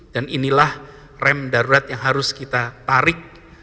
dan inilah rem darurat yang harus kita tarik